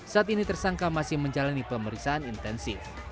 saat ini tersangka masih menjalani pemeriksaan intensif